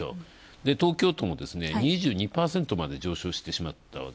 東京都も２２％まで上昇していると。